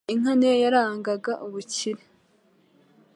Inka ni yo yarangaga ubukire.